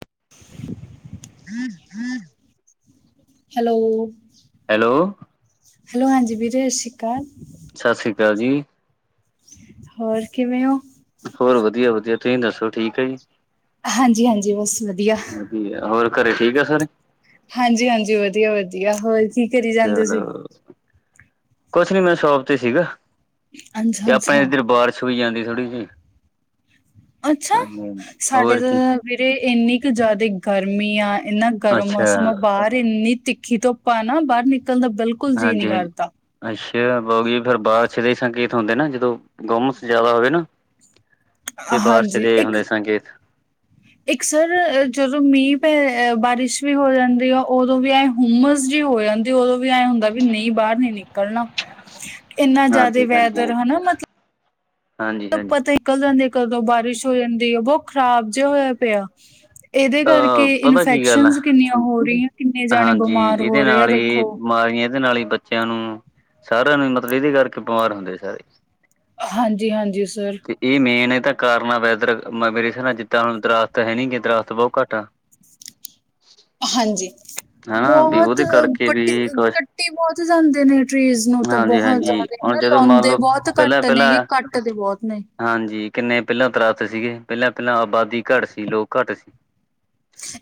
[unintelligible] [unintelligible] Hello! Hello! Hello, ਹਾਂਜੀ ਵੀਰੇ, ਸਤਿ ਸ਼੍ਰੀ ਅਕਾਲ। ਸਤਿ ਸ਼੍ਰੀ ਅਕਾਲ ਜੀ। ਹੋਰ ਕਿਵੇਂ ਓੰ? ਹੋਰ ਵਧੀਆ- ਵਧੀਆ। ਤੁਸੀਂ ਦੱਸੋ ਠੀਕ ਐ ਜੀ? ਹਾਂਜੀ- ਹਾਂਜੀ ਬਸ ਵਧੀਆ। ਵਧੀਆ, ਹੋਰ ਘਰੇ ਠੀਕ ਆ ਸਾਰੇ? ਹਾਂਜੀ- ਹਾਂਜੀ। ਵਧੀਆ-ਵਧੀਆ, ਹੋਰ ਕੀ ਕਰੀ ਜਾਂਦੇ ਸੀ ਚਲੋ, ਕੁਛ ਨੀ ਮੈ ਸ਼ੋਪ ਤੇ ਸੀਗਾ। ਅੱਛਾ ਤੇ ਅੱਛਾ ਆਪਣੇ ਇੱਧਰ ਬਾਰਿਸ਼ ਹੋਈ ਜਾਂਦੀ ਥੋੜ੍ਹੀ ਜਿਹੀ। ਅੱਛਾ! ਹਾਂਜੀ ਹਾਂਜੀ ਸਾਡੇ ਹੋਰ ਕੀ ਤਾਂ ਵੀਰੇ ਏਨੀ ਕੁ ਜ਼ਿਆਦਾ ਗਰਮੀ ਆ, ਏਂਨਾ ਗਰਮ ਅੱਛਾ ਮੌਸਮ ਆ ਬਾਹਰ ਇੰਨੀ ਤਿੱਖੀ ਧੁੱ ਪ ਆ ਨਾ, ਬਾਹਰ ਨਿਕਲਣ ਦਾ ਬਿਲਕੁਲ ਜੀਅ ਨਹੀਂ ਹਾਂਜੀ-ਹਾਂਜੀ। ਕਰਦਾ ਅੱਛਾ, ਬਾਰਿਸ਼ ਦੇ ਇਹੀ ਸੰਕੇਤ ਹੁੰਦੇ ਨਾ ਜਦੋਂ, ਗੁੰਮਸ ਜ਼ਿਆਦਾ ਹੋਵੇ ਨਾ ਏ ਬਾਰਸ਼ ਹਾਂਜੀ ਦੇ ਹੁੰਦੇ ਸੰਕੇਤ। ਇਕ ਸ ਸਰ ਜਦੋਂ ਮੀਂਹ ਪੈ ਐ, ਬਾਰਿਸ਼ ਵੀ ਹੋ ਜਾਂਦੀ ਆ, ਉਦੋਂ ਵੀ ਐਂ ਹੁੰਮਸ ਜਿਹੀ ਹੋ ਜਾਂਦੀ, ਉਦੋਂ ਵੀ ਐਂ ਹੁੰਦਾ ਵੀ ਨਹੀਂ ਬਾਹਰ ਨੀ ਨਿਕਲਣਾ। ਇੰਨਾ ਜਿਆਦਾ ਹਾਂਜੀ ਵੈਦਰ ਹਾਂਜੀ ਹਨਾ ਮਤਲਬ ਹਾਂਜੀ ਇਹ ਹਾਂਜੀ ਪਤਾ ਹੀ ਨਹੀ ਕਦੋਂ ਦੀ ਕਦੋ ਬਾਰਿਸ਼ ਹੋ ਜਾਂਦੀ ਆ, ਬਹੁਤ ਖ਼ਰਾਬ ਜਿਹਾ ਹੋਇਆ ਪਿਆ। ਏਦੇ ਅਹ ਕਰਕੇ ਪਤਾ ਕੀ ਗੱਲ ਆ ਇਨਫੈਕਸ਼ਨਜ ਕਿੰਨੀਆਂ ਹੋ ਰਹੀਆਂ, ਕਿੰਨੇ ਜਾਣੇ ਹਾਂਜੀ ਬਿਮਾਰ ਇਹਦੇ ਹੋ ਰਹੇ ਆ ਨਾਲ ਹੀ 'ਦੇਖੋ ਬਿਮਾਰੀਆਂ ਏਦੇ ਨਾਲ ਹੀ ਬੱਚਿਆਂ ਨੂੰ, ਸਾਰਿਆਂ ਨੂੰ ਮਤਲਬ ਏਦੇ ਕਰਕੇ ਬਿਮਾਰ ਹੁੰਦੇ ਆ ਸਾਰੇ। ਹਾਂਜੀ- ਹਾਂਜੀ ਸਰ। ਇਹ ਮੇਨ ਇਹਦਾ ਕਾਰਨ ਹੈ ਵੈਦਰ ਮੇਰੇ ਹਿਸਾਬ ਨਾਲ ਜਿੱਦਾਂ ਹੁਣ ਦਰਖੱਤ ਹੈ ਨੀ ਗੇ ਦਰਖੱਤ ਬਹੁਤ ਘੱਟ ਆ ਹਾਂਜੀ। ਹਨਾ ਵੀ ਬਹੁਤ ਉਹਦੇ ਕਰਕੇ ਪੱਟੀ, ਵੀ ਕੁਛ ਕੱਟੀ ਬਹੁਤ ਜਾਂਦੇ ਨੇ, ਟਰੀਜ਼ ਨੂੰ ਤਾਂ ਬਹੁਤ ਹਾਂਜੀ-ਹਾਂਜੀ ਜ਼ਿਆਦਾ ਹੁਣ ਹਨਾ ਜਦੋਂ ਮੰਨ ਲਾਉਂਦੇ ਲਓ ਬਹੁਤ ਘੱਟ ਨੇ ਗੇ, ਪਹਿਲਾਂ-ਪਹਿਲਾਂ ਕੱਟ ਦੇ ਬਹੁਤ ਨੇ। ਹਾਂਜੀ, ਕਿੰਨੇ ਪਹਿਲਾਂ ਦਰਖੱਤ ਸੀਗੇ, ਪਹਿਲਾਂ -ਪਹਿਲਾਂ ਆਬਾਦੀ ਘੱਟ ਸੀ, ਲੋਕ ਘੱਟ ਸੀ।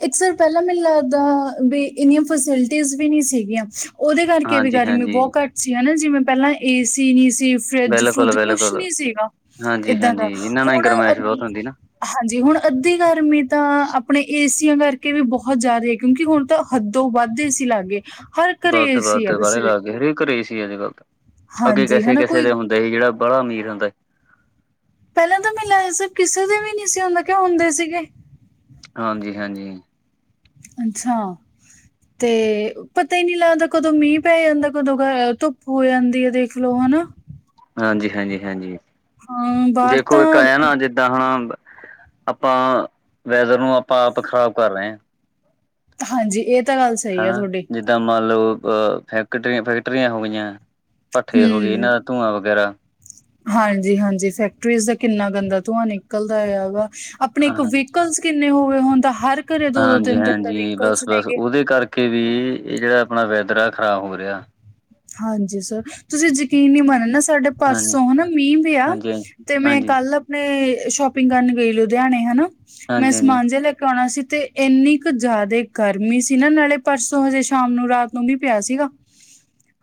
ਇੱਕ ਸਰ ਪਹਿਲਾਂ ਮੈਨੂੰ ਲੱਗਦਾ ਬੀ ਇੰਨੀਆਂ ਫੈਸਲਟੀਜੀਵ ਨੀ ਸੀਗੀਆਂ। ਉਹਦੇ ਕਰਕੇ ਵੀ ਗਰਮੀ ਹਾਂਜੀ-ਹਾਂਜੀ ਬਹੁਤ ਘੱਟ ਸੀ ਹਨਾਂ, ਜਿਵੇਂ ਪਹਿਲਾਂ ਏ ਸੀ ਨਹੀਂ ਸੀ ਫਰਿੱਜ -ਫਰੂਜ ਕੁਛ ਬਿਲਕੁਲ-ਬਿਲਕੁਲ ਨੀ ਸੀਗਾ ਏਦਾਂ ਦਾ, ਹਾਂਜੀ-ਹਾਂਜੀ ਇਹਨਾਂ ਨਾਲ ਹੀ ਹੁਣ ਗਰਮਾਇਸ਼ ਬਹੁਤ ਹੁੰਦੀ ਨਾ। ਹਾਂਜੀ, ਹੁਣ ਅੱਧੀ ਗਰਮੀ ਤਾਂ, ਆਪਣੇ ਏਸੀਆਂ ਕਰਕੇ ਵੀ ਬਹੁਤ ਜਿਆਦੇ ਕਿੳਕਿ ਹੁਣ ਤਾਂ ਹੱਦੋਂ ਵੱਧ ਏ ਸੀ ਲੱਗ ਗੇ, ਹਰ ਘਰੇ ਏ ਸੀ ਆ ਤੁਸੀਂ ਦੇਖੋ। ਦੇ ਘਰੇ ਏ ਸੀ ਅੱਜ - ਕਲ। ਹਾਂਜੀ ਹਨਾ, ਕੋਈ ਤੇ ਜੇੜਾ ਬਾਹਲਾ ਅਮੀਰ ਹੁੰਦਾ ਪਹਿਲਾਂ ਤਾਂ ਮੈਨੂੰ ਲਗਦਾ ਸੀ ਕਿਸੇ ਦੇ ਵੀ ਨਹੀਂ ਸੀ ਹੁੰਦਾ, ਕਿਉ ਹੁੰਦੇ ਸੀਗੇ। ਹਾਂਜੀ -ਹਾਂਜੀ। ਅੱਛਾ ਤੇ ਪਤਾ ਈ ਨੀ ਲੱਗਦਾ ਕਦੋਂ ਮੀਂਹ ਪੈ ਜਾਂਦਾ, ਕਦੋਂ ਗ ਧੁੱਪ ਹੋ ਜਾਂਦੀ ਐ ਦੇਖਲੋ ਹਨਾ। ਹਾਂਜੀ-ਹਾਂਜੀ, ਹਾਂਜੀ ਹਾਂ ਬਾਹਰ ਦੇੇਖੋ ਇੱਕ ਤਾਂ ਐ ਨਾ ਜਿੱਦਾਂ ਹੁਣ ਆਪਾਂ ਵੈਦਰ ਨੂੰ ਆਪਾਂ ਆਪ ਖ਼ਰਾਬ ਕਰ ਰਹੇ ਆ। ਹਾਂਜੀ ਇਹ ਤਾਂ ਗੱਲ ਸਹੀ ਹੈ ਹਨਾ ਤੁਹਾਡੀ ਜਿੱਦਾਂ ਮੰਨ ਲਓ ਅ ਫੈਕਟਰੀ-ਫੈਕਟਰੀਆਂ ਹੋ ਗਈਆਂ। ਭੱਠੇ ਹੋ ਗਏ ਇਹਨਾਂ ਦਾ ਧੂੰਆਂ ਵਗੈਰਾ ਹਾਂਜੀ-ਹਾਂਜੀ ਫੈਕਟਰੀਜ਼ ਦਾ ਕਿੰਨਾ ਗੰਦਾ ਧੂੰਆਂ ਨਿਕਲਦਾ ਆ ਵਾ ਆਪਣੇ ਇੱਕ ਹਾਂ ਵਹੀਕਲਸ ਕਿੰਨੇ ਹੋ ਗਏ ਹੁਣ ਤਾ ਹਰ ਘਰੇ ਦੋ ਦੋ ਤਿੰਨ ਤਿੰਨ ਤਾਂ ਹਾਂਜੀ-ਹਾਂਜੀ, ਵਹੀਕਲਸ ਬੱਸ-ਬੱਸ ਨੇਗੇ ਉਹਦੇ ਕਰਕੇ ਵੀ ਇਹ ਜਿਹੜਾ ਆਪਣਾ ਵੈਦਰ ਆ ਖ਼ਰਾਬ ਹੋ ਰਿਹਾ। ਹਾਂਜੀ ਸਰ, ਤੁਸੀਂ ਯਕੀਨ ਨਈ ਮੰਨ ਨਾ ਸਾਡੇ ਹਾਂਜੀ ਪਰਸੋਂ ਹਨਾ ਮੀਂਹ ਪਿਆ। ਹਾਂਜੀ ਹਾਂਜੀ ਤੇ ਮੈਂ ਹਾਂਜੀ ਕੱਲ ਨੇ ਮੈਂ ਸ਼ੋਪਿੰਗ ਕਰਨ ਗਈ ਲੁਧਿਆਣੇ ਹਨਾ। ਮੈਂ ਹਾਂਜੀ ਸਮਾਨ ਜਿਹਾ ਲੈ ਕੇ ਆਉਣਾ ਸੀ ਤੇ ਇੰਨੀ ਕੁ ਜ਼ਿਆਦਾ ਗਰਮੀ ਸੀ ਨਾ ਨਾਲੇ ਪਰਸੋਂ ਹਜੇ ਸ਼ਾਮ ਨੂੰ ਰਾਤ ਨੂੰ ਮੀਂਹ ਪਿਆ ਸੀਗਾ।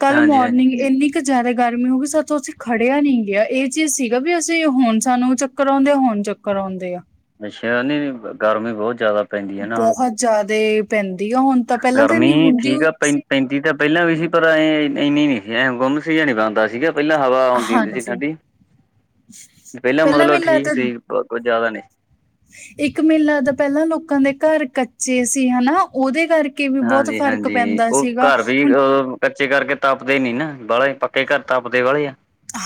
ਕੱਲ ਹਾਂਜੀ ਹਾਂਜੀ ਮੋਰਨਿੰਗ ਇੰਨੀ ਜਿਆਦਾ ਗਰਮੀ ਹੋ ਗਈ ਸੋਚੋ ਅਸੀਂ ਖੜਿਆ ਨੀ ਗਿਆ। ਇਹ ਚੀਜ਼ ਸੀਗਾ ਵੀ ਅਸੀਂ ਹੁਣ ਸਾਨੂੰ ਚੱਕਰ ਆਉਂਦੇ, ਹੁਣ ਚੱਕ ਕਰਾਉਂਦੇ ਐ। ਮਿਸੈਲ ਨੀ ਹੁੰਦਾ ਗਰਮੀ ਬਹੁਤ ਜ਼ਿਆਦਾ ਪੈਂਦੀ ਹੈ ਨਾ ਹੁਣ ਬਹੁਤ ਜਿਆਦੇ ਪੈਂਦੀ ਆ ਹੁਣ ਤਾਂ ਪਹਿਲਾਂ ਤਾਂ ਗਰਮੀ ਇੰਨੀ ਹੁੰਦੀ ਠੀਕ ਹੋਈ ਆ ਨਹੀਂ ਸੀ ਪੈਂ-ਪੈਂਦੀ ਤਾ ਪਹਿਲਾਂ ਵੀ ਸੀ। ਪਰ ਐਂ ਇੰਨੀ ਨੀ ਸੀ ਐਂ ਗੁੰਮਸ ਜਾ ਨੀ ਬਣਦਾ ਸੀਗਾ। ਪਹਿਲਾਂ ਹਵਾ ਆਉਂਦੀ ਹੁੰਦੀ ਸੀ ਹਾਂਜੀ ਠੰਡੀ, ਪਹਿਲਾਂ ਮਤਲਬ ਮੈਨੂੰ ਲੱਗਦਾ ਠੀਕ ਸੀ ਕੁਝ ਜ਼ਿਆਦਾ ਨਈ ਸ ਇੱਕ ਮੈਨੂੰ ਲੱਗਦਾ ਪਹਿਲਾਂ ਲੋਕਾਂ ਦੇ ਕੱਚੇ ਸੀ ਹਨਾ ਉਹਦੇ ਕਰਕੇ ਵੀ ਬਹੁਤ ਫ਼ਰਕ ਹਾਂਜੀ-ਹਾਂਜੀ ਪੈਂਦਾ ਉਹ ਸੀਗਾ ਘਰ ਵੀ ਹੁਣ ਓ ਕੱਚੇ ਕਰਕੇ ਤਾਪਦੇ ਨੀ ਨਾ ਬਾਲੇ ਪੱਕੇ ਘਰ ਤਾਪਦੇ ਵਾਲੇ ਆ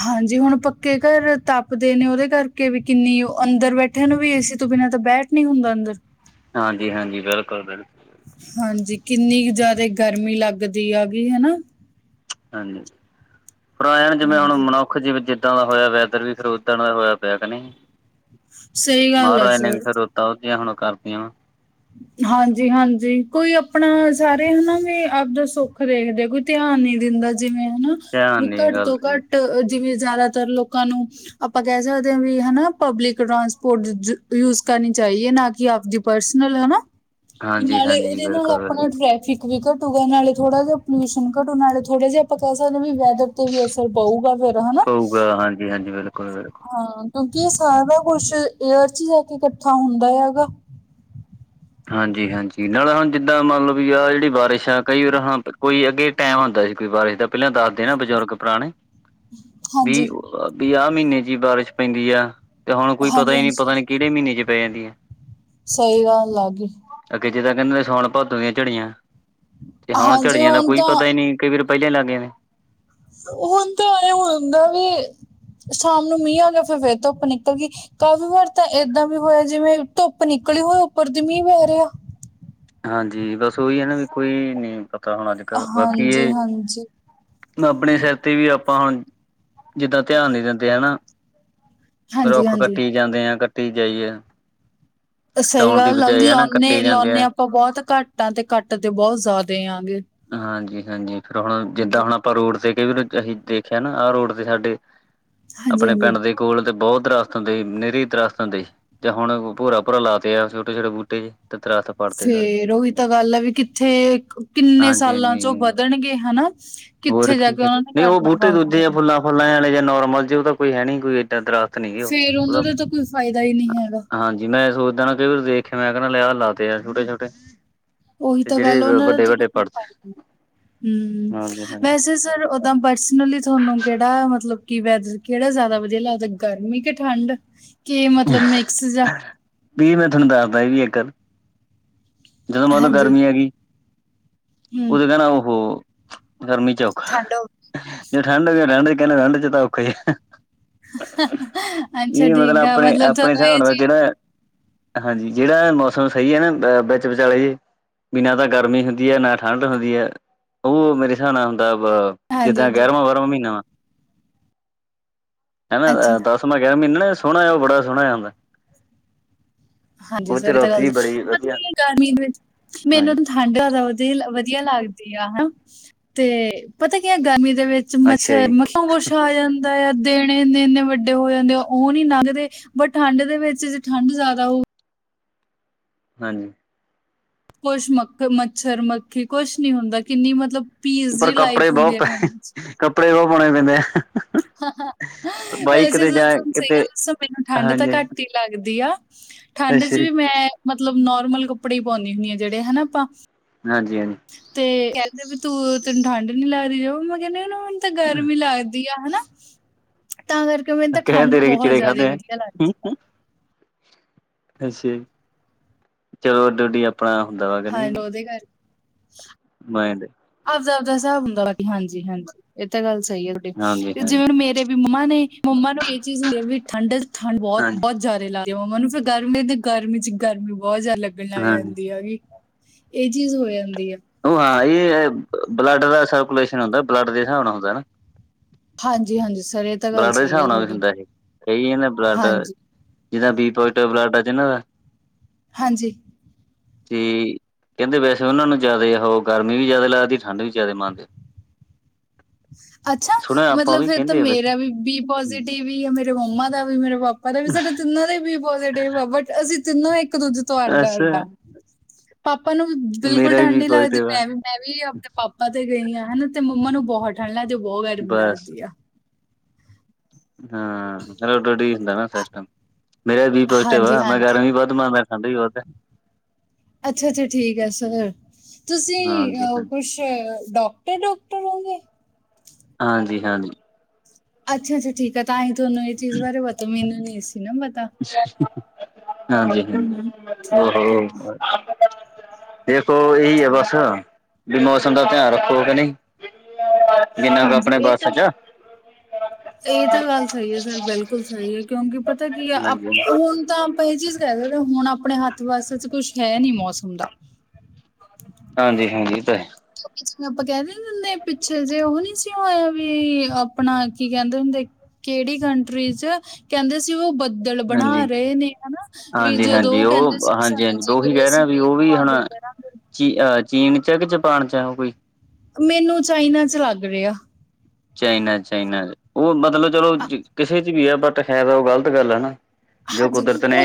ਹਾਂਜੀ ਹੁਣ ਪੱਕੇ ਘਰ ਤਪਦੇ ਨੇ ਉਹਦੇ ਕਰਕੇ ਵੀ ਕਿੰਨੀ ਓ ਅੰਦਰ ਬੈਠੇ ਨੂੰ ਵੀ ਏਸੀ ਤੋਂ ਬਿਨਾਂ ਤਾਂ ਬੈਠ ਨੀ ਹੁੰਦਾ ਅੰਦਰ ਹਾਂਜੀ-ਹਾਂਜੀ, ਬਿਲਕੁਲ-ਬਿਲਕੁਲ ਹਾਂਜੀ ਕਿੰਨੀ ਕੁ ਜਿਆਦਾ ਗਰਮੀ ਲੱਗਦੀ ਐਗੀ ਹਨਾ। ਹਾਂਜੀ, ਪਰ ਆਏ ਆ ਨਾ ਜਿਵੇਂ ਹੁਣ ਹਾਂਜੀ ਮਨੁੱਖ ਜਿਵੇ ਜਿ ਇੱਦਾਂ ਦਾ ਹੋਇਆ ਪਿਆ ਵੈਦਰ ਵੀ ਫਰ ਉੱਦਾਂ ਦਾ ਹੋਇਆ ਪਿਆ ਕਿ ਨਈ, ਸਹੀ ਗੱਲ ਆ ਮਹਾਰਾਜ ਨੇ ਵੀ ਸਰ ਫਿਰ ਤਾ ਉਹ ਦੀਆਂ ਹੁਣ ਕਰਤੀਆ। ਹਾਂਜੀ-ਹਾਂਜੀ ਕੋਈ ਆਪਣਾ ਸਾਰੇ ਹਨਾ ਵੀ ਆਪਦਾ ਸੁੱਖ ਦੇਖਦੇ ਕੋਈ ਧਿਆਨ ਨਈ ਦਿੰਦਾ ਜਿਵੇਂ ਹਨਾ, ਵੀ ਧਿਆਨ ਦੀ ਘੱਟ ਗੱਲ ਤੋਂ ਸੀ ਘੱਟ ਜਿਵੇਂ ਜ਼ਿਆਦਾਤਰ ਲੋਕਾਂ ਨੂੰ ਆਪਾਂ ਕਹਿ ਸਕਦੇ ਹਾਂ ਵੀ ਹਨਾ ਪਬਲਿਕ ਟਰਾਂਸਪੋਰਟ ਯੂ-ਯੂਜਸ ਕਰਨੀ ਚਾਹੀਏ ਨਾ ਕਿ ਆਪਦੀ ਪਰਸਨਲ ਹਨਾ, ਹਾਂਜੀ ਨਾਲੇ ਹਾਂਜੀ ਇਹਦੇ ਨਾਲ ਬਿਲਕੁਲ ਬਿਲਕੁਲ ਆਪਣਾ ਟ੍ਰੈਫਿਕ ਵੀ ਘੱਟੂਗਾ ਨਾਲੇ ਥੋੜ੍ਹਾ ਜਿਹਾ ਪੋਲਿਊਸ਼ਨ ਘੱਟੂ ਨਾਲੇ ਥੋੜ੍ਹਾ ਜਿਹਾ ਆਪਾਂ ਕਹਿ ਸਕਦੇ ਹਾ ਵੀ ਵੈਦਰ ਤੇ ਵੀ ਅਸਰ ਪਊਗਾ ਫਿਰ ਹਨਾ। ਹਾਜੀ-ਹਾਜੀ, ਬਿਲਕੁਲ-ਬਿਲਕੁਲ। ਹਾਂ, ਕਿਉਂਕਿ ਇਹ ਸਾਰਾ ਕੁਛ ਏਅਰ ਚ ਹੀ ਜਾ ਕੇ ਇਕੱਠਾ ਹੁੰਦਾ ਹੈਗਾ। ਹਾਂਜੀ-ਹਾਂਜੀ ਨਾਲ ਹੁਣ ਜਿੱਦਾਂ ਮੰਨ ਲਓ ਵੀ ਆਹ ਜਿਹੜੀ ਬਾਰਿਸ਼ ਆ ਕਈ ਵਾਰ ਹਾਂ ਕੋਈ ਅੱਗੇ ਟਾਈਮ ਹੁੰਦਾ ਸੀ। ਕੋਈ ਬਾਰਿਸ਼ ਦਾ ਪਹਿਲਾਂ ਦੱਸਦੇ ਨਾ ਬਜ਼ੁਰਗ ਪੁਰਾਣੇ ਹਾਂਜੀ ਵੀ-ਵੀ ਆਹ ਮਹੀਨੇ ਵਿਚ ਬਾਰਿਸ਼ ਪੈਂਦੀ ਆ। ਤੇ ਹੁਣ ਕੋਈ ਪਤਾ ਹਾਂਜੀ ਹੀ ਨੀ ਹਾਂਜੀ ਪਤਾ ਨੀ ਕਿਹੜੇ ਮਹੀਨੇ ਚ ਪੈ ਜਾਂਦੀ ਐ। ਸਹੀ ਗੱਲ ਐਗੀ। ਅੱਗੇ ਜਿਦਾਂ ਕਹਿੰਦੇ ਸੌਣ, ਭਾਦੋ ਦੀਆਂ ਝੜੀਆਂ ਤੇ ਹੁਣ ਹਾਂਜੀ ਝੜੀਆਂ ਦਾ ਹੁਣ ਕੋਈ ਤਾਂ ਪਤਾ ਹੀ ਨੀ। ਕਈ ਵੇਰ ਪਹਿਲਾਂ ਹੀ ਲੱਗ ਜਾਦੀਆ। ਹੁਣ ਤਾਂ ਆਲੇ ਹੁੰਦਾ ਵੀ ਸ਼ਾਮ ਨੂੰ ਮੀਂਹ ਆ ਗਿਆ, ਫਿਰ-ਫਿਰ ਧੁੱਪ ਨਿਕਲ ਗਈ, ਕਾਫ਼ੀ ਵਾਰ ਤਾਂ ਏਦਾਂ ਵੀ ਹੋਇਆ, ਜਿਵੇਂ ਧੁੱਪ ਨਿਕਲੀ ਹੋ, ਉੱਪਰ ਦੀ ਮੀਂਹ ਪੈ ਰਿਹਾ। ਹਾਂਜੀ, ਬਸ ਉਹੀ ਹੈ ਨਾ ਵੀ ਕੋਈ ਨੀ ਪਤਾ ਹੁਣ ਅੱਜ ਕੱਲ ਬਾਕੀ ਹਾਂਜੀ ਇਹ ਹਾਂਜੀ ਆਪਣੇ ਸਿਰ ਤੇ ਵੀ ਆਪਾਂ ਹੁਣ ਜਿੱਦਾਂ ਧਿਆਨ ਨੀ ਦਿੰਦੇ ਹਨਾ। ਹਾਂਜੀ ਰੁੱਖ ਹਾਂਜੀ ਕੱਟੀ ਜਾਂਦੇ ਆ ਕੱਟੀ ਜਾਈਏ। ਸਹੀ ਕਟਾਉਣ ਦੀ ਗੱਲ ਲੱਗਦੀ ਬਜਾਏ ਹਨਾ ਕੱਟੇ ਜਾਂਦੇ ਲੌਨੇ-ਲੌਨੇ ਆ ਆਪਾਂ ਬਹੁਤ ਘੱਟ ਆਂ ਤੇ ਕਟ ਤੇ ਬਹੁਤ ਜ਼ਿਆਦੇ ਆਗੇ। ਹਾਂਜੀ-ਹਾਂਜੀ ਫਿਰ ਹੁਣ ਜਿੱਦਾਂ ਹੁਣ ਆਪਾਂ ਰੋਡ ਤੇ ਕੇ ਵੀ ਅਸੀਂ ਦੇਖਿਆ ਨਾ ਆਹ ਰੋਡ ਤੇ ਸਾਡੇ ਹਾਂਜੀ ਆਪਣੇ ਹਾਂਜੀ ਪਿੰਡ ਦੇ ਕੋਲ ਤੇ ਬਹੁਤ ਦਰਖ਼ਤ ਹੁੰਦੇ ਸੀ, ਨਿਰੀ ਦਰਖ਼ਤ ਹੁੰਦੇ ਸੀ। ਜਾਂ ਹੁਣ ਭੋਰਾ- ਭੋਰਾ ਲਾ ਤੇ ਆ ਛੋਟੇ- ਛੋਟੇ ਬੂਟੇ ਜੇ। ਤੇ ਦਰਖਤ ਪੜਤੇ ਸਾਰੇ ਫੇਰ ਓਹੀ ਤਾਂ ਗੱਲ ਆ ਵੀ ਕਿੱਥੇ ਕਿੰਨੇ ਹਾਂਜੀ ਸਾਲਾਂ ਚ ਉਹ ਹਾਂਜੀ ਵੱਧਣਗੇ ਹਨਾ, ਹੋਰ ਕਿੱਥੇ ਜਾ ਕੀ ਕੇ ਉਹਨਾਂ ਨੇ ਨਹੀਂ ਉਹ ਕਰਨਾ ਬੂਟੇ ਦੂਜੇ ਆ ਕੰਮ। ਫੁੱਲਾਂ ਫੁੱਲਾਂ ਵਾਲੇ ਜਾਂ ਨੋਰਮਲ ਜੇ, ਉਹ ਤਾਂ ਕੋਈ ਹੈ ਨੀ ਕੋਈ ਇੱਦਾਂ ਦਰਖਤ। ਤ ਨੀ ਗੇ ਉਹ ਫੇਰ ਉਹਨਾਂ ਦਾ ਤਾਂ ਕੋਈ ਫਾਇਦਾ ਹੀ ਨਹੀਂ ਹੈਗਾ ਹਾਂ। ਜੀ ਮੈਂ ਸੋਚਦਾ ਨਾ ਕਈ ਵਾਰੀ ਦੇਖਿਆ, ਮੈਂ ਕਿਆ ਲਿਆ ਲਾਤੇ ਆ ਛੋਟੇ -ਛੋਟੇ। ਉਹੀ ਤੇ ਤਾਂ ਗੱਲ, ਜਿਹੜੇ ਉਹਨਾਂ ਵੱਡੇ ਨੇ ਵੱਡੇ ਪੜਤੇ ਹਮ ਹਾਂਜੀ ਵੈਸੇ ਤੇ ਸਰ ਊਦਾਂ ਪਰਸਨਲੀ ਤੁਹਾਨੂੰ ਕਿਹੜਾ ਮਤਲਬ, ਕਿ ਵੈਦਰ ਕਿਹੜਾ ਜ਼ਿਆਦਾ ਵਧੀਆ ਲੱਗਦਾ। ਗਰਮੀ ਕਿ ਠੰਡ, ਕਿ ਮਤਲਬ ਮਿਕਸ ਜਾ। ਹਾਂਜੀ ਵੀ ਮੈਂ ਤੁਹਾਨੂੰ ਦੱਸਦਾ ਸੀ ਵੀ ਇੱਕ ਗੱਲ, ਜਦੋਂ ਮੰਨ ਲਓ ਹਾਂਜੀ ਗਰਮੀ ਆਗੀ ਹਮ ਉਹਦੇ ਕਹਿਣਾ ਉਹਹੋ ਗਰਮੀ 'ਚ ਔਖਾ। ਠੰਡ ਹੋਵੇ। ਜੇ ਠੰਡ ਹੋ ਜੋ ਠੰਡ -ਠੰਡ ਚ ਤਾਂ ਔਖੇ ਹੀ ਆ। ਅੱਛਾ, ਠੀਕ ਆ। ਮਤਲਬ ਆਪਣੇ-ਆਪਣੇ ਤੁਹਾਨੂੰ ਹਿਸਾਬ ਇਹ ਨਾ ਤਾਂ ਜੀ ਜਿਹੜਾ ਹਾਂਜੀ, ਜਿਹੜਾ ਇਹ ਮੌਸਮ ਸਹੀ ਹੈ ਨਾ ਵਿੱਚ ਵਿਚਾਲੇ ਜੇ ਵੀ ਨਾ ਤਾਂ ਗਰਮੀ ਹੁੰਦੀ ਹੈ, ਨਾ ਠੰਡ ਹੁੰਦੀ ਹੈ, ਉਹ ਮੇਰੇ ਹਿਸਾਬ ਨਾਲ ਹੁੰਦਾ ਅ ਬ ਹਾਂਜੀ ਜਿੱਦਾ ਹਾਂਜੀ ਗਿਆਰਵਾਂ ਬਾਹਰਮਾਂ ਮਹੀਨਾ ਵਾ। ਅੱਛਾ ਹੈਨਾ ਦਸਮਾਂ ਗਿਆਰਾਂ ਮਹੀਨਾ ਨਾ ਸੋਹਣਾ ਆ ਉਹ ਬੜਾ ਸੋਹਣਾ ਆ ਹੁੰਦਾ। ਹਾਂਜੀ, ਉਹ ਚ ਸਰ ਇਹ ਤਾਂ ਰੁੱਤ ਗੱਲ ਜੀ ਠੰਡ ਬੜੀ ਵਧੀਆ ਹੁੰਦੀ। ਹਾਂਜੀ ਜ਼ਿਆਦਾ ਵਧੀਆ-ਵਧੀਆ ਲੱਗਦੀ ਆ ਹਨਾ, ਤੇ ਪਤਾ ਕੀ ਗਰਮੀ ਦੇ ਵਿੱਚ ਅੱਛਾ ਮੱਛਰ ਜੀ ਮੱਖੀ ਬਹੁਤ ਕੁਝ ਆ ਜਾਂਦਾ ਐ, ਦਿਨ ਇੰਨੇ- ਇੰਨੇ ਵੱਡੇ ਹੋ ਜਾਂਦੇ ਆ ਉਹ ਨੀ ਲੰਘਦੇ। ਬਟ ਠੰਡ ਦੇ ਵਿੱਚ ਜੇ ਠੰਡ ਜ਼ਿਆਦਾ ਹੋਊ। ਹਾਂਜੀ। ਕੁੱਛ ਮੱਖ ਮੱਛਰ ਮੱਖੀ ਕੁਛ ਨੀ ਹੁੰਦਾ ਕਿੰਨੀ ਮਤਲਬ। ਪੀਸ ਪਰ ਜੀ ਕੱਪੜੇ ਲਾਈਫ ਹੁੰਦੀ ਹੈ ਬਹੁਤ ਪ ਠੰਡ ਕੱਪੜੇ ਬਹੁਤ ਪਾਉਣੇ ਪੈਂਦੇ ਆ। ਹਾਂ ਹ ਬਾਈਕ ਵੈਸੇ ਤੇ ਜੇ ਜਾਂ ਸੋਨੂੰ ਸਹੀ ਕਿਤੇ ਗੱਲ ਦੱਸਾ ਮੈਨੂੰ ਠੰਢ ਤਾਂ ਹਾਂਜੀ ਘੱਟ ਲੱਗਦੀ ਆ, ਠੰਡ ਅੱਛਾ ਚ ਜੀ ਵੀ ਮੈਂ ਮਤਲਬ ਨੋਰਮਲ ਕੱਪੜੇ ਹੀ ਪਾਉਂਨੀ ਹੁੰਨੀ ਆਂ ਜਿਹੜੇ ਹਨਾ ਆਪਾਂ ਹਾਂਜੀ-ਹਾਂਜੀ। ਤੇ ਕਹਿੰਦੇ ਵੀ ਤੂੰ ਤੈਨੂੰ ਠੰਢ ਨੀ ਲੱਗਦੀ ਮੈਂ ਕਹਿੰਦੀਆਂ ਨਾ। ਤੇ ਗਰਮੀ ਲੱਗਦੀ ਆ ਹਨਾ, ਤਾਂ ਕਰਕੇ ਤੇ ਮੈਨੂੰ ਤੇ ਕਹਿ ਠੰਢ ਤੇਰੇ ਕਿ ਬਹੁਤ ਚਿੜੇ ਜ਼ਿਆਦਾ ਖਾਧੇ ਆ ਵਧੀਆ ਲੱਗਦੀ ਆ। ਅੱਛਾ ਜੀ, ਚਲੋ ਅੱਡੋ-ਅੱਡੀ ਆਪਣਾ ਹੁੰਦਾ ਵਾ ਕ ਨੀ। ਹਾਂਜੀ ਉਹਦੇ ਮੈ ਏਦੇ ਆਪਦਾ-ਆਪਦਾ ਹਿਸਾਬ ਹੁੰਦਾ ਬਾਕੀ ਹਾਂਜੀ-ਹਾਂਜੀ, ਏ ਤਾਂ ਗੱਲ ਸਈ ਐ ਤਾਡੀ ਹਾਂਜੀ ਹਾਂਜੀ ਜਿਵੇਂ ਹੁਣ ਮੇਰੇ ਵੀ ਮੰਮਾ ਨੇ ਮੰਮਾ ਨੂੰ ਏ ਚੀਜ਼ ਵੀ ਠੰਡ, ਠੰਡ ਹਾਂਜੀ ਬੋਤ-ਬੋਤ ਜਾਦਾ ਲਾ ਦੀ ਮੰਮਾ ਨੂੰ ਫਿਰ ਗਰਮੀ ਤੇ ਗਰਮੀ ਚ ਗਰਮੀ ਬੋਤ ਜਾਦਾ ਲੱਗਣ ਲੱਗ ਹਾਂਜੀ ਜਾਂਦੀ ਹੈਗੀ। ਏ ਚੀਜ਼ ਹੋ ਜਾਂਦੀ ਆ। ਮਾਰੀ ਏ ਬਲੱਡ ਦਾ ਸਰਕੂਲੇਸ਼ਨ ਹੁੰਦਾ ਬਲੱਡ ਦੇ ਹਿਸਾਬ ਨਾਲ ਹੁੰਦਾ ਨਾ ਹਾਂਜੀ-ਹਾਂਜੀ ਸਰ ਏ ਬਲੱਡ ਦੇ ਹਿਸਾਬ ਨਾਲ ਵੀ ਹੁੰਦਾ ਏਈ ਏ ਨਾ ਏ ਬਲੱਡ ਹਾਂਜੀ ਜਿਦਾਂ ਬੀ ਪੋਜ਼ੀਟਿਵ ਬਲੱਡ ਆਜੇ ਨਾਂ ਹਾਂਜੀ। ਤੀ ਕੈਦੇ ਵੈਸੇ ਓਨਾਂ ਨੂੰ ਜਾਦਾ ਓਹ ਗਰਮੀ ਵੀ ਜਾਦਾ ਲੱਗਦੀ ਠੰਡ ਵੀ ਜ਼ਿਆਦਾ ਮਾੰਨਦੇ। ਅੱਛਾ ਮਤਲਬ ਫੇਰ ਤਾਂ ਵੈਸੇ ਮੇਰਾ ਵੀ ਬੀ ਪੋਜ਼ਟਿਵ ਈ ਆ ਮੇਰੇ ਮੰਮਾ ਦਾ ਵੀ, ਮੇਰੇ ਪਾਪਾ ਦਾ ਵੀ, ਸਾਡੇ ਤਿੰਨਾਂ ਦਾ ਈ ਬੀ ਪੋ ਪੋਜ਼ਟਿਵ ਆ ਬਟ ਅਸੀਂ ਤਿੰਨੋ ਇੱਕ ਦੂਜੇ ਤੋਂ ਅੱਡ-ਅੱਡ ਆ। ਅੱਛਾ ਪਾਪਾ ਨੂੰ ਵੀ ਬਿਲਕੁਲ ਮੇਰਾ ਵੀ ਠੰਢ ਬੀ ਨੀ ਲੱਗਦੀ, ਪੋਜ਼ਟਿਵ ਆ ਮੈਂ ਵੀ ਮੈਂ ਵੀ ਆਪਣੇ ਪਾਪਾ ਤੇ ਗਈ ਆਂ ਹੈਨਾ ਤੇ ਮੰਮਾ ਨੂੰ ਬੋਹਤ ਠੰਡ ਲੱਗਦੀ ਬੋਹਤ ਗਰਮੀ ਬਸ ਲੱਗਦੀ ਆ। ਹਾਂ ਤਾਡਾ ਠੀਕ ਹੈਗਾ ਆ- ਸਿਸਟਮ‌ ਮੇਰਾ ਬੀ ਪੋਜ਼ੀਟਿਵ ਹਾਂਜੀ ਆ ਮੈ ਕੈ [unintelligible] ਹਾਂਜੀ ਨੋਟ ਵੈਜ ਖਾਂਦੇ ਈ ਹੋਵੋਗੇ ਅੱਛਾ-ਅੱਛਾ ਠੀਕ ਐ ਸੋਅਰ ਤੁਸੀਂ ਹਾਂਜੀ ਅਹ ਹਾਂ ਕੁਛ ਏ ਡਾੱਕਟਰ-ਡਾੱਕਟਰ ਹੈਗੇ। ਹਾਂਜੀ-ਹਾਂਜੀ। ਅੱਛਾ-ਅੱਛਾ ਠੀਕ ਆ ਤਾਂ ਹੀ ਤੁਆਨੂੰ ਏ ਚੀਜ਼ ਬਾਰੇ ਪਤਾ ਮੈਨੂੰ ਨੀ ਸੀ ਨਾ ਪਤਾ। ਹਾਂਜੀ-ਹਾਂਜੀ ਹਮ, ਓ ਹੋ ਹਾਂ, ਦੇਖੋ ਏਹੀ ਐ ਤੇ- ਬਸ ਵੀ ਮੌਸਮ ਦਾ ਧਿਆਨ ਰੱਖੋ ਕੇ ਨਈ ਜਿੰਨਾ ਕੁ ਆਪਣੇ ਬੱਸ ਚ ਏ ਤਾਂ ਗੱਲ ਸਈ ਐ ਸਰ ਬਿਲਕੁਲ ਸਈ ਐ ਕਿਉਂਕਿ ਪਤਾ ਕੀ ਐ ਹਾਂਜੀ। ਹੁਣ ਤਾਂ ਆਪਾਂ ਐ ਚੀਜ਼ ਹੁਣ ਆਪਣੇ ਹੱਥ-ਵੱਸ ਚ ਕੁੱਛ ਹੈ ਨੀ ਮੌਸਮ ਦਾ ਹਾਂਜੀ-ਹਾਂਜੀ ਏ ਤਾਂ ਐ। ਜਿਵੇਂ ਆਪਾਂ ਕੈ ਨੀ ਦਿੰਦੇ ਹੁੰਦੇ ਪਿੱਛੇ ਜੇ ਓਹ ਨੀ ਸੀ ਹੋਇਆ ਵੀ ਆਪਣਾ ਕੀ ਕੈੰਦੇ ਹੁੰਦੇ ਕੇੜੀ ਕੰਟਰੀ ਚ ਕੈਂਦੇ ਸੀ ਓ ਬ ਬੱਦਲ ਬਣਾ ਹਾਂਜੀ। ਰੇ ਨੇ ਹੈਨਾ ਵੀ ਜਦੋਂ ਹਾਂਜੀ-ਹਾਂਜੀ ਓ ਕੈਂਦੇ ਸੀ ਉਹ ਵੀ ਸਾਡਾ ਹਾਂਜੀ-ਹਾਂਜੀ ਜੀ ਉਹੀ ਕਰੇ ਕਹਿ ਅਸੀਂ ਰਿਹਾ ਵੀ ਮੀਂ ਉਹ ਵੀ ਪਵਾ ਹੁਣ ਦੇ ਡਰਾਂਗੇ। ਚੀ ਅ ਚੀਨ ਚ ਐ ਕੇ ਜਪਾਨ ਚ ਓਹ ਕੋਈ ਮੈਨੂੰ ਚਾਈਨਾ ਚ ਲੱਗ ਰੇਆ। ਚਾਈਨਾ-ਚਾਈਨਾ ਚ ਓ ਮਤਲਬ ਚਲੋ ਕਿਸੇ ਚ ਵੀ ਆ ਬਟ ਹੈ ਤਾਂ ਓਹ ਗ਼ਲਤ ਗੱਲ ਆ ਨਾ ਜੋ ਕੁਦਰਤ ਨੇ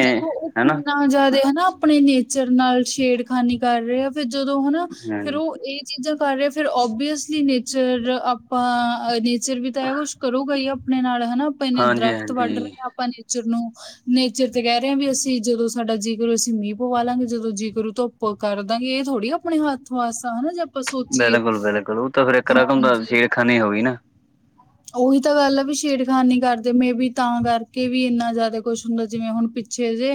ਹੈਨਾ ਜਾਦਾ ਹੈਨਾ ਆਪਣੇ ਨੇਚਰ ਨਾਲ ਛੇੜਖਾਨੀ ਕਰ ਰੇ ਆ ਫਿਰ ਜਦੋਂ ਓਨਾ ਫੇਰ ਹਾਂਜੀ। ਓ ਏ ਚੀਜ਼ਾਂ ਕਰ ਰਹੇ ਫਿਰ ਓਬਵੀਅਸਲੀ ਨੇਚਰ ਆਪਾਂ ਨੇਚਰ ਵੀ ਤਾਂ ਏ ਕੁਛ ਕਰੂਗਾ ਈ ਆਪਣੇ ਨਾਲ ਹੈਨਾ ਆਪਾ ਐਨੇ ਦਰੱਖਤ ਵੱਢ ਰੇ ਹਾਂਜੀ-ਹਾਂਜੀ ਆਂ ਆਪਾਂ ਨੇਚਰ ਨੂੰ ਨੇਚਰ ਤੇ ਕੈ ਰੇ ਆਂ ਵੀ ਅਸੀਂ ਜਦੋਂ ਸਾਡਾ ਜੀਅ ਕਰੋ ਅਸੀਂ ਮੀਂ ਪਵਾ ਲਾਂਗੇ ਜਦੋਂ ਜੀਅ ਕਰੋ ਧੁੱਪ ਕਰ ਦਾਂਗੇ ਏ ਥੋੜ੍ਹੀ ਆਪਣੇ ਹੱਥ ਵਾਸ ਹੈਨਾ ਜ ਬਿਲਕੁਲ-ਬਿਲਕੁਲ ਓਹ ਤਾਂ ਫਿਰ ਇੱਕ ਰਕਮ ਦਾ ਸੇੜਖਾਨੀ ਹੋ ਗੀ ਨਾ। ਓਈ ਤਾਂ ਗੱਲ ਆ ਵੀ ਛੇੜਖਾਨੀ ਕਰਦੇ ਮੇਬੀ ਤਾਂ ਕਰਕੇ ਵੀ ਇੰਨਾ ਜ਼ਿਆਦਾ ਕੁਛ ਹੁੰਦਾ ਜਿਵੇਂ ਹੁਣ ਪਿ ਪਿੱਛੇ ਜੇ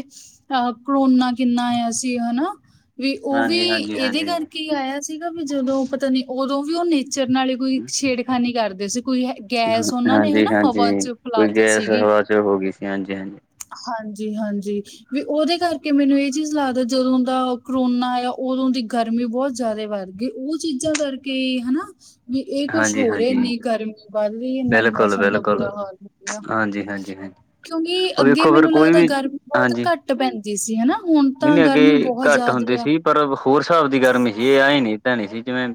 ਆਹਾ, ਕਰੋਨਾ ਕਿੰਨਾ ਆਇਆ ਸੀ ਹੈਨਾ ਵੀ ਓ ਵੀ ਏਦੇ ਹਾਂਜੀ-ਹਾਂਜੀ-ਹਾਂਜੀ। ਕਾਰਕੇ ਈ ਆਯਾ ਸੀਗਾ ਵੀ ਜਦੋਂ ਪਤਾ ਨੀ ਓਦੋਂ ਵੀ ਓ ਨੇਚਰ ਨਾਲ ਈ ਕੋਈ ਛੇੜਖਾਨੀ ਕਰਦੇ ਸੀ, ਕੋਈ ਹ ਗੈਸ ਓਨਾਂ ਨੇ ਹਨਾ ਹਾਂਜੀ-ਹਾਂਜੀ ਹਵਾ 'ਚ ਫੈਲਾਤੀ ਸੀਗੀ। ਤੇ ਹੋ ਗੀ ਸੀ, ਹਾਂਜੀ -ਹਾਂਜੀ। ਹਾਂਜੀ ਹਾਂਜੀ। ਵੀ ਓਦੇ ਕਰਕੇ ਮੈਨੂੰ ਏ ਚੀਜ਼ ਲੱਗਦਾ, ਜਦੋਂ ਦਾ ਕਰੋਨਾ ਆਇਆ ਓਦੋਂ ਦੀ ਗਰਮੀ ਬੋਤ ਜ਼ਿਆਦਾ ਵੱਧ ਗੀ, ਓ ਚੀਜ਼ਾਂ ਕਰਕੇ ਈ ਹਨਾ। ਵੀ ਏ ਕੁਛ ਹੋ ਰਿਆ ਹਾਂਜੀ-ਹਾਂਜੀ ਐਨੀ ਗਰਮੀ ਵਧ ਗਈ, ਏਨਾ ਮੌਸਮ ਦਾ ਬਿਲਕੁਲ-ਬਿਲਕੁਲ ਬੁਰਾ ਹਾਲ ਹੋ ਗਿਆ। ਹਾਂਜੀ-ਹਾਂਜੀ ਹਾਂਜੀ ਹਾਂਜੀ ਹਾਂਜੀ ਕਿਉਂਕਿ ਉਹ ਅੱਗੇ ਵੇਖੋ ਫਿਰ ਮੈਨੂੰ ਕੋਈ ਲੱਗਦਾ ਵੀ ਗਰਮੀ ਬੋਤ ਹਾਂਜੀ ਘੱ ਘੱਟ ਪੈਂਦੀ ਸੀ ਹਨਾ, ਹੁਣ ਤਾਂ ਨਹੀਂ-ਨਹੀਂ ਗਰਮੀ ਅੱਗੇ ਬੋਤ ਘੱਟ ਹੁੰਦੀ ਜ਼ਾਦਾ ਆ ਸੀ ਪਰ ਹੋਰ ਸਾਬ ਦੀ ਗਰਮੀ ਸੀ, ਈ ਆਏਂ ਨੀ ਪੈਣੀ ਸੀ ਜਿਵੇਂ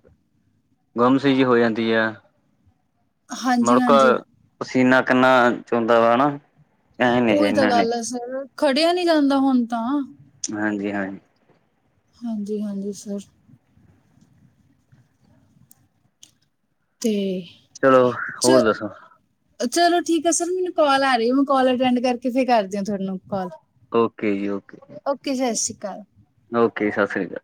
ਗੁੰਮ ਸੀ ਜੀ ਹੋ ਜਾਂਦੀ ਐ। ਹਾਂਜੀ, ਮੁੜਕਾ, ਹਾਂਜੀ ਪਸੀਨਾ ਕਿੰਨਾ ਚੋਂਦਾ ਵਾ, ਹਨਾ। ਐ ਨੀ ਸੀ ਓਈ ਤਾਂ ਇਨਾ ਨੀ ਗੱਲ ਐ ਸਰ, ਖੜਿਆ ਨੀ ਜਾਂਦਾ ਹੁਣ ਤਾਂ। ਹਾਂਜੀ-ਹਾਂਜੀ। ਹਾਂਜੀ-ਹਾਂਜੀ ਸਰ। ਤੇ ਚਲੋ ਚ ਹੋਰ ਦੱਸੋ। ਚਲੋ ਠੀਕ ਏ ਸਰ ਮੈਨੂੰ ਕਾਲ ਆ ਰਈ, ਹੁਣ ਕਾਲ ਅਟੈਂਡ ਕਰਕੇ ਫੇਰ ਕਰਦੀ ਆ ਤੁੁਨੂੰ ਕਾਲ। ਓਕੇ ਜੀ ਓਕੇ। ਓਕੇ ਸਾਸਰੀ ਕਾਲ। ਓਕੇ ਜੀ ਸਾਸਰੀ ਕਾਲ।